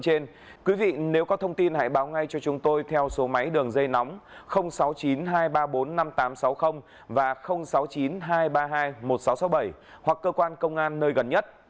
trên quý vị nếu có thông tin hãy báo ngay cho chúng tôi theo số máy đường dây nóng sáu mươi chín hai trăm ba mươi bốn năm nghìn tám trăm sáu mươi và sáu mươi chín hai trăm ba mươi hai một nghìn sáu trăm sáu mươi bảy hoặc cơ quan công an nơi gần nhất